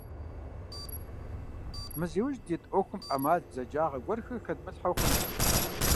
Мы зи ужь дит Ӏуэхум Ӏэмал, бзэджагъэ гуэрхэр хэдмылъхьэу хъунукъым.